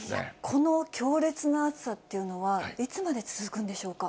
この強烈な暑さっていうのは、いつまで続くんでしょうか。